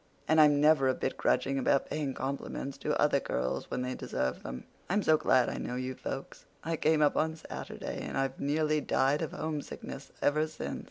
And I'm never a bit grudging about paying compliments to other girls when they deserve them. I'm so glad I know you folks. I came up on Saturday and I've nearly died of homesickness ever since.